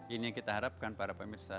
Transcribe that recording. ini yang kita harapkan para pemirsa